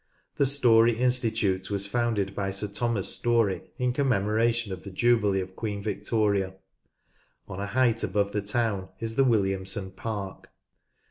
The Storey Institute was founded by Sir Thomas Storey in commemoration of the jubilee of Queen Victoria. On a height above the town is the Williamson Park.